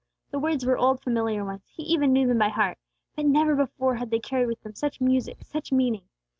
The words were old familiar ones; he even knew them by heart. But never before had they carried with them such music, such meaning.